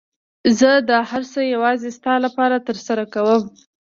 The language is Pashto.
زه دا هر څه يوازې ستا لپاره ترسره کوم.